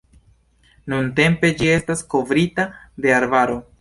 Nuntempe ĝi estas kovrita de arbaro.